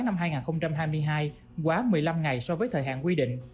năm hai nghìn hai mươi hai quá một mươi năm ngày so với thời hạn quy định